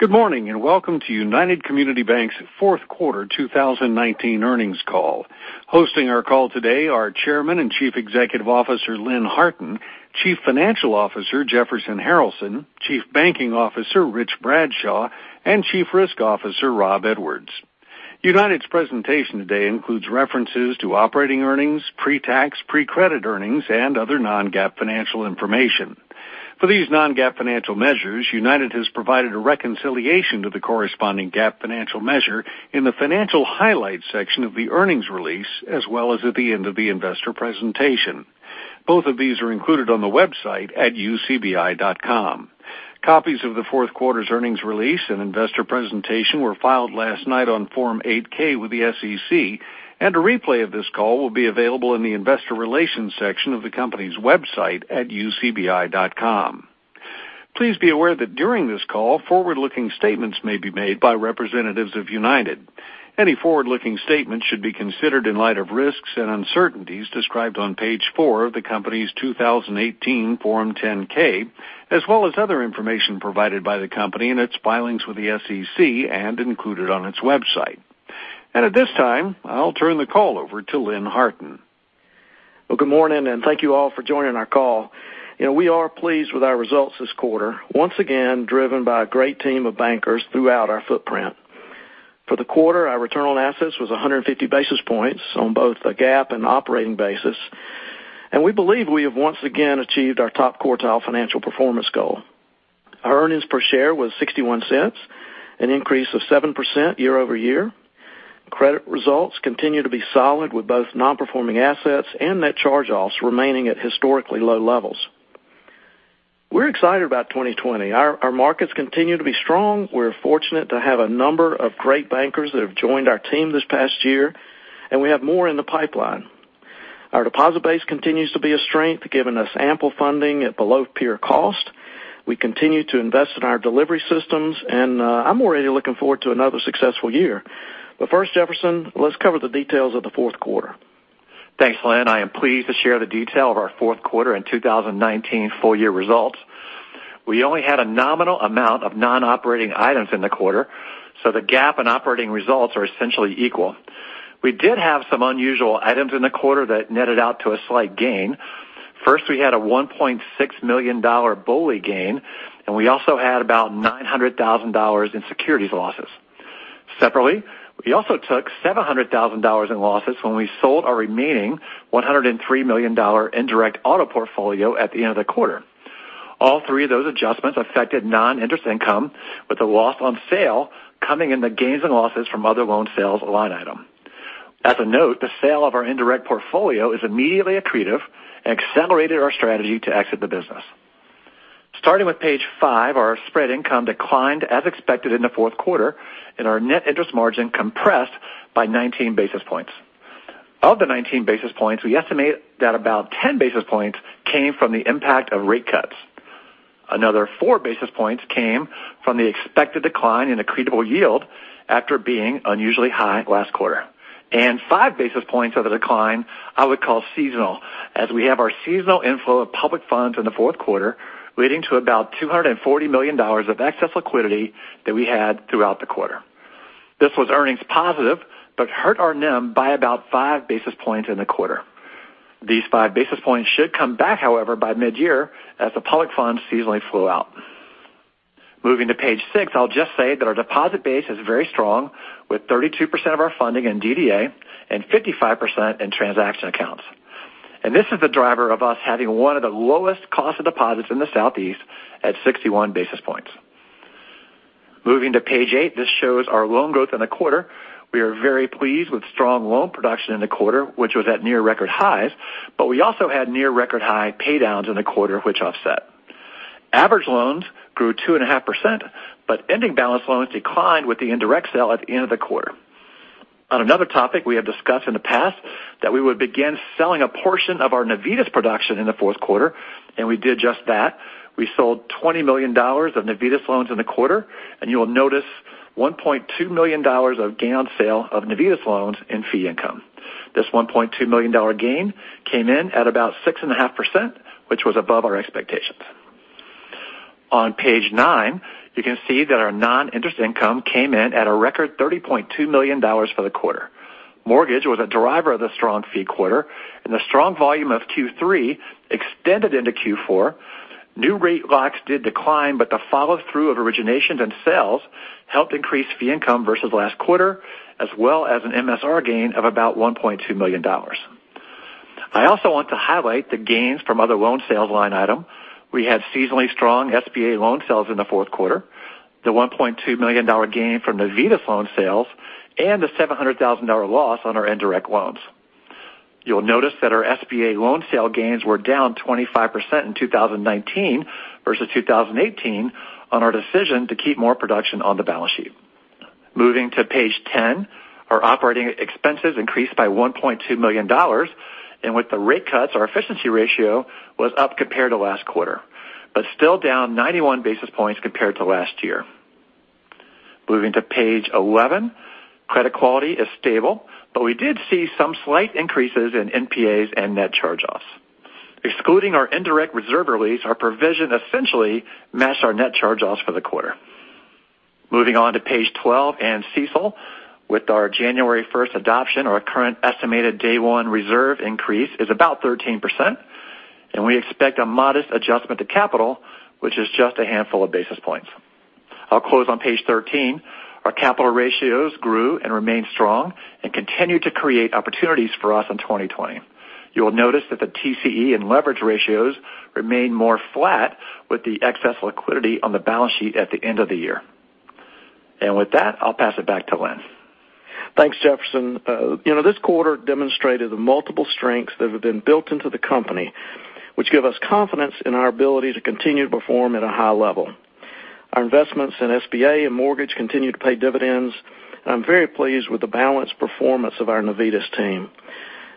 God morning, and welcome to United Community Banks' fourth quarter 2019 earnings call. Hosting our call today are Chairman and Chief Executive Officer, Lynn Harton, Chief Financial Officer, Jefferson Harralson, Chief Banking Officer, Rich Bradshaw, and Chief Risk Officer, Rob Edwards. United's presentation today includes references to operating earnings, pre-tax, pre-credit earnings and other non-GAAP financial information. For these non-GAAP financial measures, United has provided a reconciliation to the corresponding GAAP financial measure in the financial highlights section of the earnings release, as well as at the end of the investor presentation. Both of these are included on the website at ucbi.com. Copies of the fourth quarter's earnings release and investor presentation were filed last night on Form 8-K with the SEC. A replay of this call will be available in the investor relations section of the company's website at ucbi.com. Please be aware that during this call, forward-looking statements may be made by representatives of United. Any forward-looking statements should be considered in light of risks and uncertainties described on page four of the company's 2018 Form 10-K, as well as other information provided by the company in its filings with the SEC and included on its website. At this time, I'll turn the call over to Lynn Harton. Good morning, thank you all for joining our call. We are pleased with our results this quarter, once again, driven by a great team of bankers throughout our footprint. For the quarter, our return on assets was 150 basis points on both a GAAP and operating basis. We believe we have once again achieved our top quartile financial performance goal. Our earnings per share was $0.61, an increase of 7% year-over-year. Credit results continue to be solid with both Non-Performing Assets and net charge-offs remaining at historically low levels. We're excited about 2020. Our markets continue to be strong. We're fortunate to have a number of great bankers that have joined our team this past year. We have more in the pipeline. Our deposit base continues to be a strength, giving us ample funding at below peer cost. We continue to invest in our delivery systems, and I'm already looking forward to another successful year. First, Jefferson, let's cover the details of the fourth quarter. Thanks, Lynn. I am pleased to share the detail of our fourth quarter and 2019 full year results. We only had a nominal amount of non-operating items in the quarter, so the GAAP and operating results are essentially equal. We did have some unusual items in the quarter that netted out to a slight gain. First, we had a $1.6 million BOLI gain, and we also had about $900,000 in securities losses. Separately, we also took $700,000 in losses when we sold our remaining $103 million indirect auto portfolio at the end of the quarter. All three of those adjustments affected non-interest income, with the loss on sale coming in the gains and losses from other loan sales line item. As a note, the sale of our indirect portfolio is immediately accretive and accelerated our strategy to exit the business. Starting with page five, our spread income declined as expected in the fourtqquarter, and our net interest margin compressed by 19 basis points. Of the 19 basis points, we estimate that about 10 basis points came from the impact of rate cuts. Another four basis points came from the expected decline in accretable yield after being unusually high last quarter. Five basis points of the decline I would call seasonal, as we have our seasonal inflow of public funds in the fourth quarter, leading to about $240 million of excess liquidity that we had throughout the quarter. This was earnings positive but hurt our NIM by about five basis points in the quarter. These five basis points should come back, however, by mid-year as the public funds seasonally flow out. Moving to page six, I'll just say that our deposit base is very strong, with 32% of our funding in DDA and 55% in transaction accounts. This is the driver of us having one of the lowest cost of deposits in the Southeast at 61 basis points. Moving to page eight, this shows our loan growth in the quarter. We are very pleased with strong loan production in the quarter, which was at near record highs, but we also had near record high pay downs in the quarter, which offset. Average loans grew 2.5%, but ending balance loans declined with the indirect sale at the end of the quarter. On another topic, we have discussed in the past that we would begin selling a portion of our Navitas production in the fourth quarter, and we did just that. We sold $20 million of Navitas loans in the quarter. You will notice $1.2 million of gain on sale of Navitas loans in fee income. This $1.2 million gain came in at about 6.5%, which was above our expectations. On page nine, you can see that our non-interest income came in at a record $30.2 million for the quarter. Mortgage was a driver of the strong fee quarter. The strong volume of Q3 extended into Q4. New rate locks did decline. The follow-through of originations and sales helped increase fee income versus last quarter, as well as an MSR gain of about $1.2 million. I also want to highlight the gains from other loan sales line item. We had seasonally strong SBA loan sales in the fourth quarter, the $1.2 million gain from Navitas loan sales, and the $700,000 loss on our indirect loans. You'll notice that our SBA loan sale gains were down 25% in 2019 versus 2018 on our decision to keep more production on the balance sheet. Moving to page 10, our operating expenses increased by $1.2 million. With the rate cuts, our efficiency ratio was up compared to last quarter, but still down 91 basis points compared to last year. Moving to page 11, credit quality is stable, but we did see some slight increases in NPAs and net charge-offs. Excluding our indirect reserve release, our provision essentially matched our net charge-offs for the quarter. Moving on to page 12 and CECL. With our January 1st adoption, our current estimated day one reserve increase is about 13%, and we expect a modest adjustment to capital, which is just a handful of basis points. I'll close on page 13. Our capital ratios grew and remain strong and continue to create opportunities for us in 2020. You will notice that the TCE and leverage ratios remain more flat with the excess liquidity on the balance sheet at the end of the year. With that, I'll pass it back to Lynn. Thanks, Jefferson. This quarter demonstrated the multiple strengths that have been built into the company, which give us confidence in our ability to continue to perform at a high level. Our investments in SBA and mortgage continue to pay dividends, and I'm very pleased with the balanced performance of our Navitas team.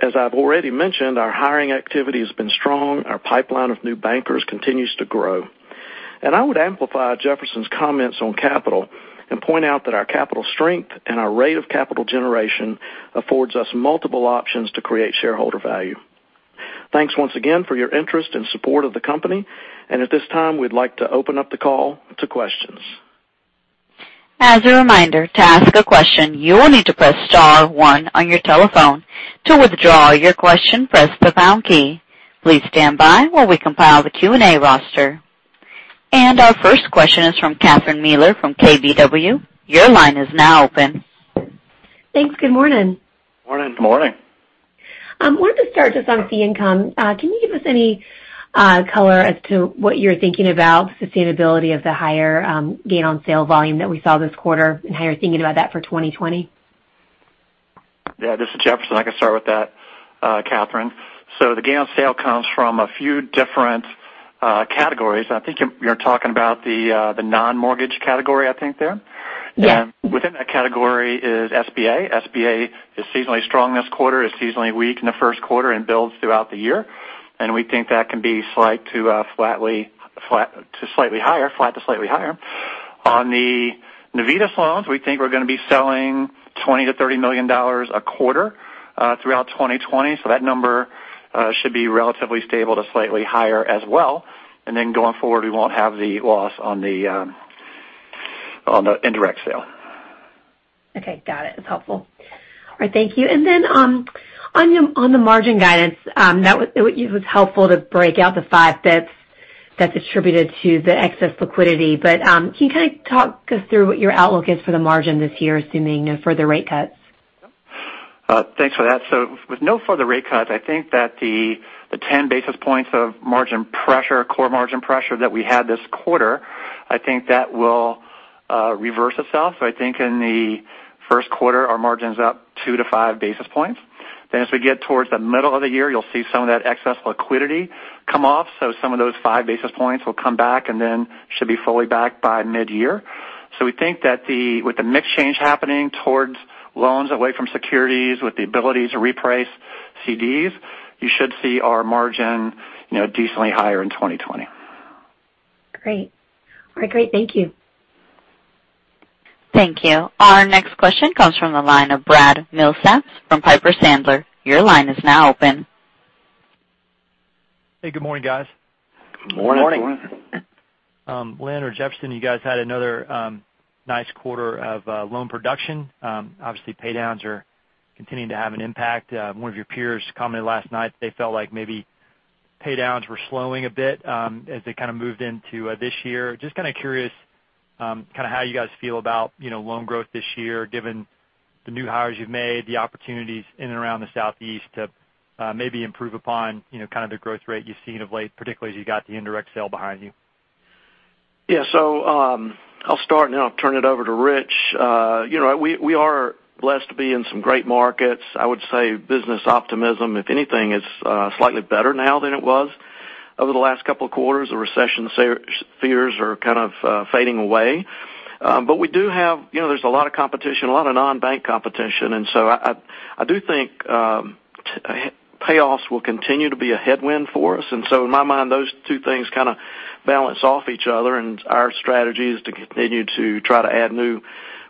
As I've already mentioned, our hiring activity has been strong. Our pipeline of new bankers continues to grow. I would amplify Jefferson's comments on capital and point out that our capital strength and our rate of capital generation affords us multiple options to create shareholder value. Thanks once again for your interest and support of the company. At this time, we'd like to open up the call to questions. As a reminder, to ask a question, you will need to press star 1 on your telephone. To withdraw your question, press the pound key. Please stand by while we compile the Q&A roster. Our first question is from Catherine Mealor from KBW. Your line is now open. Thanks. Good morning. Morning. Morning. I wanted to start just on fee income. Can you give us any color as to what you're thinking about sustainability of the higher gain on sale volume that we saw this quarter and how you're thinking about that for 2020? Yeah. This is Jefferson. I can start with that, Catherine. The gain on sale comes from a few different categories, and I think you're talking about the non-mortgage category, I think there? Yeah. Within that category is SBA. SBA is seasonally strong this quarter, is seasonally weak in the first quarter, and builds throughout the year, and we think that can be flat to slightly higher. On the Navitas loans, we think we're going to be selling $20 million-$30 million a quarter throughout 2020. That number should be relatively stable to slightly higher as well. Then going forward, we won't have the loss on the indirect sale. Okay. Got it. That's helpful. All right. Thank you. On the margin guidance, it was helpful to break out the 5 basis points that's attributed to the excess liquidity, can you kind of talk us through what your outlook is for the margin this year, assuming no further rate cuts? Thanks for that. With no further rate cuts, I think that the 10 basis points of margin pressure, core margin pressure that we had this quarter, I think that will reverse itself. I think in the first quarter, our margin's up two to five basis points. As we get towards the middle of the year, you'll see some of that excess liquidity come off. Some of those five basis points will come back and then should be fully back by mid-year. We think that with the mix change happening towards loans away from securities, with the ability to reprice CDs, you should see our margin decently higher in 2020. Great. All right. Great. Thank you. Thank you. Our next question comes from the line of Brad Milsaps from Piper Sandler. Your line is now open. Hey, good morning, guys. Good morning. Good morning. Lynn or Jefferson, you guys had another nice quarter of loan production. Obviously, paydowns are continuing to have an impact. One of your peers commented last night that they felt like maybe paydowns were slowing a bit as they kind of moved into this year. Just kind of curious how you guys feel about loan growth this year, given the new hires you've made, the opportunities in and around the Southeast to maybe improve upon the growth rate you've seen of late, particularly as you've got the indirect sale behind you. Yeah. I'll start, and then I'll turn it over to Rich. We are blessed to be in some great markets. I would say business optimism, if anything, is slightly better now than it was over the last couple of quarters. The recession fears are kind of fading away. There's a lot of competition, a lot of non-bank competition, and so I do think payoffs will continue to be a headwind for us. In my mind, those two things kind of balance off each other, and our strategy is to continue to try to add new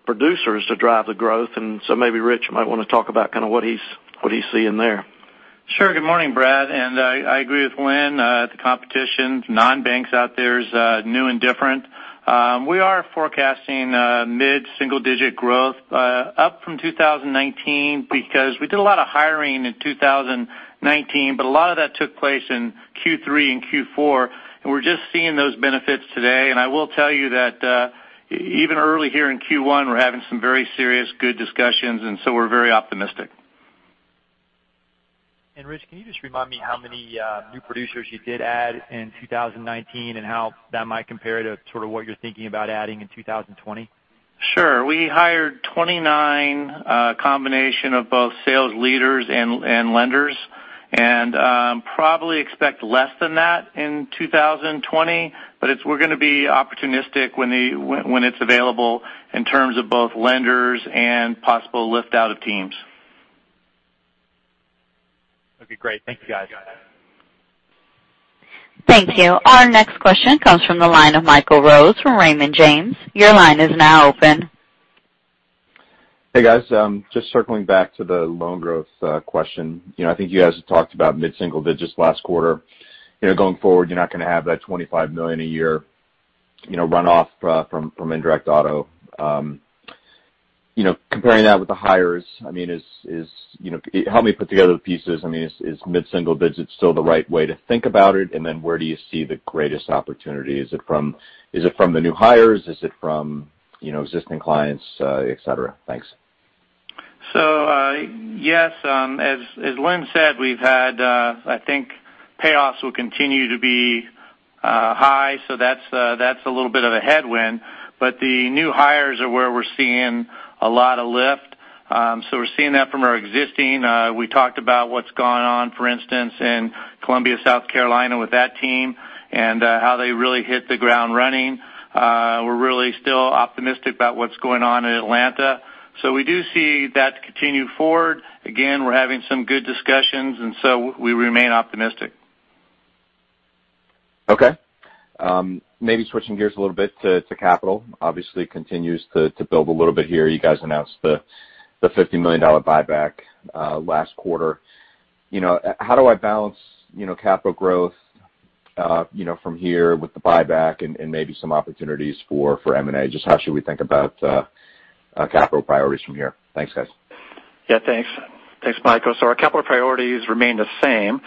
producers to drive the growth. Maybe Rich might want to talk about what he's seeing there. Sure. Good morning, Brad. I agree with Lynn. The competition from non-banks out there is new and different. We are forecasting mid-single digit growth up from 2019 because we did a lot of hiring in 2019, but a lot of that took place in Q3 and Q4, and we're just seeing those benefits today. I will tell you that even early here in Q1, we're having some very serious good discussions, and so we're very optimistic. Rich, can you just remind me how many new producers you did add in 2019 and how that might compare to sort of what you're thinking about adding in 2020? Sure. We hired 29, a combination of both sales leaders and lenders, and probably expect less than that in 2020. We're going to be opportunistic when it's available in terms of both lenders and possible lift-out of teams. That'd be great. Thank you, guys. Thank you. Our next question comes from the line of Michael Rose from Raymond James. Your line is now open. Hey guys, just circling back to the loan growth question. I think you guys have talked about mid-single digits last quarter. Going forward, you're not going to have that $25 million a year runoff from indirect auto. Comparing that with the hires, help me put together the pieces. Is mid-single digits still the right way to think about it? Where do you see the greatest opportunity? Is it from the new hires? Is it from existing clients, et cetera? Thanks. Yes. As Lynn said, I think payoffs will continue to be high. That's a little bit of a headwind. The new hires are where we're seeing a lot of lift. We're seeing that from our existing. We talked about what's gone on, for instance, in Columbia, South Carolina, with that team, and how they really hit the ground running. We're really still optimistic about what's going on in Atlanta. We do see that continue forward. Again, we're having some good discussions, and so we remain optimistic. Maybe switching gears a little bit to capital. Obviously continues to build a little bit here. You guys announced the $50 million buyback last quarter. How do I balance capital growth from here with the buyback and maybe some opportunities for M&A? Just how should we think about capital priorities from here? Thanks, guys. Thanks, Michael. Our capital priorities remain the same.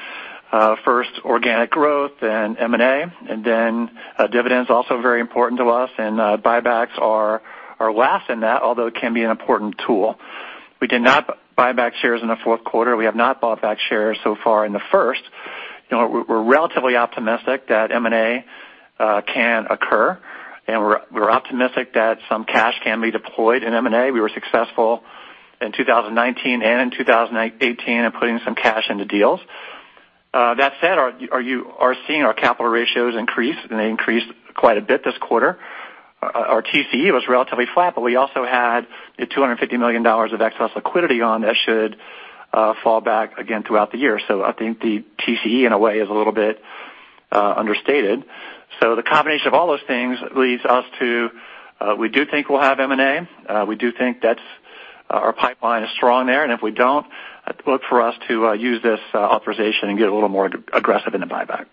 First organic growth, then M&A, and then dividends also very important to us, and buybacks are last in that, although it can be an important tool. We did not buy back shares in the fourth quarter. We have not bought back shares so far in the first. We're relatively optimistic that M&A can occur, and we're optimistic that some cash can be deployed in M&A. We were successful in 2019 and in 2018 in putting some cash into deals. That said, you are seeing our capital ratios increase, and they increased quite a bit this quarter. Our TCE was relatively flat, we also had the $250 million of excess liquidity on that should fall back again throughout the year. I think the TCE in a way is a little bit understated. The combination of all those things leads us to, we do think we'll have M&A. We do think our pipeline is strong there. If we don't, look for us to use this authorization and get a little more aggressive in the buyback.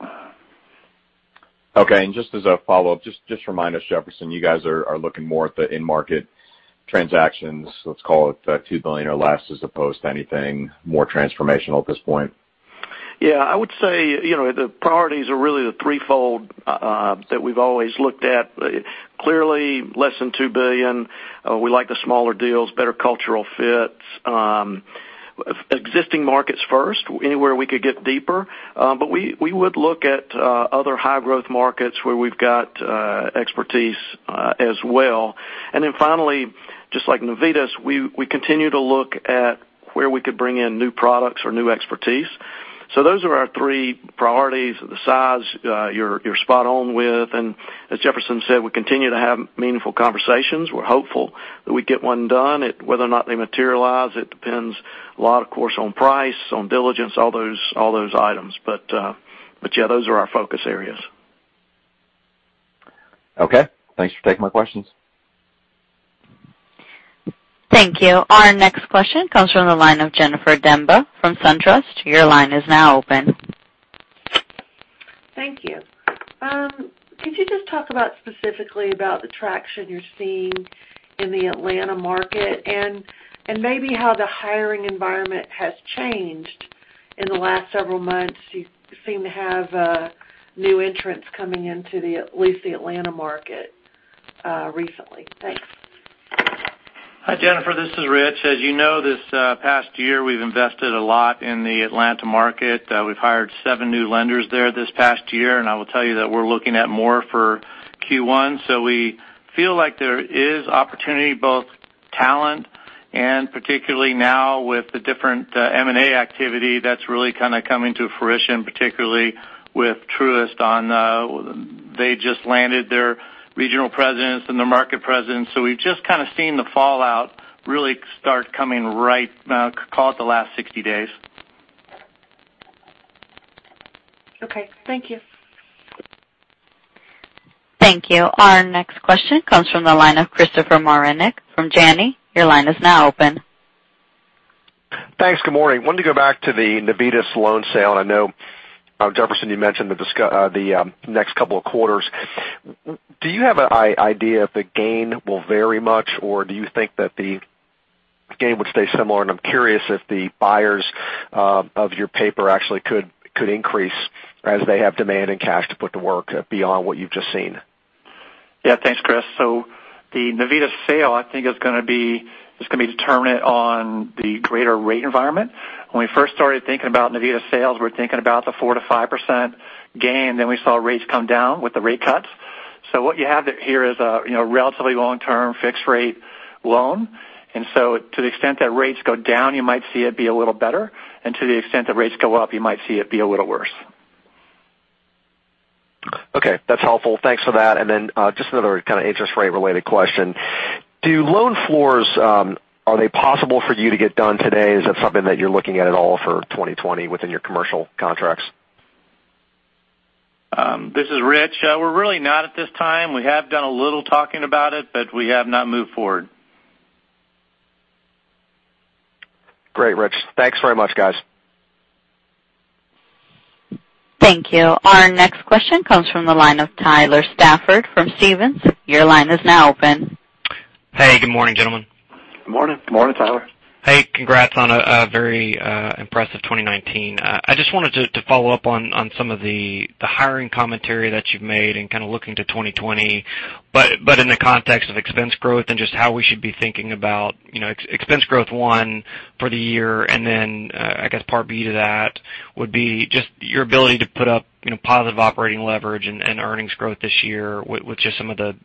Okay. Just as a follow-up, just remind us, Jefferson, you guys are looking more at the in-market transactions, let's call it $2 billion or less as opposed to anything more transformational at this point. Yeah, I would say, the priorities are really the threefold that we've always looked at. Clearly less than $2 billion. We like the smaller deals, better cultural fits. Existing markets first, anywhere we could get deeper. We would look at other high growth markets where we've got expertise as well. Finally, just like Navitas, we continue to look at where we could bring in new products or new expertise. Those are our three priorities. The size, you're spot on with. As Jefferson said, we continue to have meaningful conversations. We're hopeful that we get one done. Whether or not they materialize, it depends a lot, of course, on price, on diligence, all those items. Yeah, those are our focus areas. Okay. Thanks for taking my questions. Thank you. Our next question comes from the line of Jennifer Demba from SunTrust. Your line is now open. Thank you. Could you just talk about specifically about the traction you're seeing in the Atlanta market and maybe how the hiring environment has changed in the last several months? You seem to have new entrants coming into at least the Atlanta market recently. Thanks. Hi, Jennifer. This is Rich. As you know, this past year, we've invested a lot in the Atlanta market. We've hired seven new lenders there this past year, and I will tell you that we're looking at more for Q1. We feel like there is opportunity, both talent and particularly now with the different M&A activity that's really kind of coming to fruition, particularly with Truist. They just landed their regional presidents and their market presidents. We've just kind of seen the fallout really start coming right, call it the last 60 days. Okay. Thank you. Thank you. Our next question comes from the line of Christopher Marinac from Janney. Your line is now open. Thanks. Good morning. Wanted to go back to the Navitas loan sale. I know, Jefferson, you mentioned the next couple of quarters. Do you have an idea if the gain will vary much, or do you think that the gain would stay similar? I'm curious if the buyers of your paper actually could increase as they have demand and cash to put to work beyond what you've just seen. Thanks, Chris. The Navitas sale, I think, is going to be determinant on the greater rate environment. When we first started thinking about Navitas sales, we were thinking about the 4%-5% gain. We saw rates come down with the rate cuts. What you have here is a relatively long-term fixed rate loan. To the extent that rates go down, you might see it be a little better, to the extent that rates go up, you might see it be a little worse. Okay. That's helpful. Thanks for that. Then just another kind of interest rate related question. Do loan floors, are they possible for you to get done today? Is that something that you're looking at at all for 2020 within your commercial contracts? This is Rich. We're really not at this time. We have done a little talking about it, but we have not moved forward. Great, Rich. Thanks very much, guys. Thank you. Our next question comes from the line of Tyler Stafford from Stephens. Your line is now open. Hey, good morning, gentlemen. Good morning. Good morning, Tyler. Hey, congrats on a very impressive 2019. I just wanted to follow up on some of the hiring commentary that you've made and kind of looking to 2020, but in the context of expense growth and just how we should be thinking about expense growth, one, for the year, and then I guess part B to that would be just your ability to put up positive operating leverage and earnings growth this year with just some of the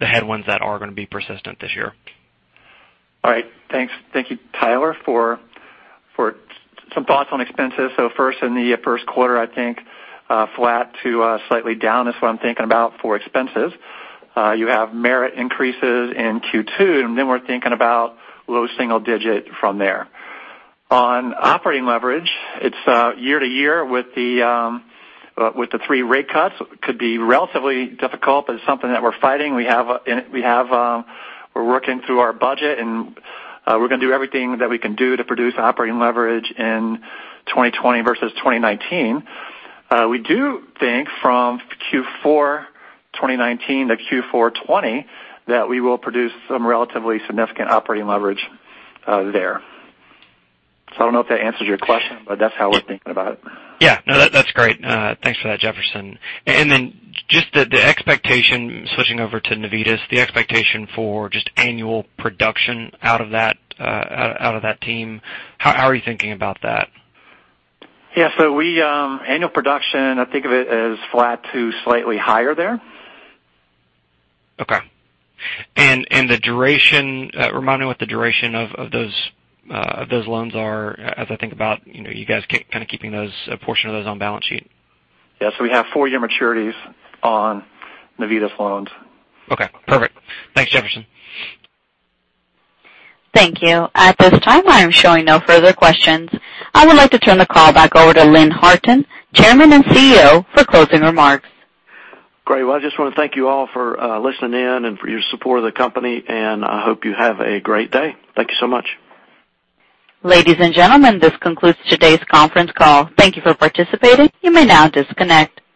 headwinds that are going to be persistent this year. All right. Thank you, Tyler. For some thoughts on expenses. First, in the first quarter, I think flat to slightly down is what I'm thinking about for expenses. You have merit increases in Q2. We're thinking about low single digit from there. On operating leverage, it's year-to-year with the three rate cuts, could be relatively difficult. It's something that we're fighting. We're working through our budget. We're going to do everything that we can do to produce operating leverage in 2020 versus 2019. We do think from Q4 2019 to Q4 2020, that we will produce some relatively significant operating leverage there. I don't know if that answers your question. That's how we're thinking about it. Yeah. No, that's great. Thanks for that, Jefferson. Just the expectation, switching over to Navitas, the expectation for just annual production out of that team, how are you thinking about that? Yeah, annual production, I think of it as flat to slightly higher there. Okay. Remind me what the duration of those loans are as I think about you guys kind of keeping a portion of those on balance sheet? Yeah. We have four-year maturities on Navitas loans. Okay, perfect. Thanks, Jefferson. Thank you. At this time, I am showing no further questions. I would like to turn the call back over to Lynn Harton, Chairman and CEO, for closing remarks. Great. Well, I just want to thank you all for listening in and for your support of the company, and I hope you have a great day. Thank you so much. Ladies and gentlemen, this concludes today's conference call. Thank you for participating. You may now disconnect.